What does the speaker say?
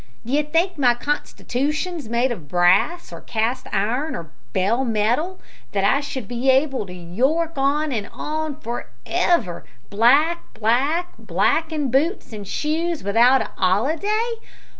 D'you think my constitootion's made o' brass, or cast iron, or bell metal, that I should be able to york on an' on for ever, black, black, blackin' boots an' shoes, without a 'oliday?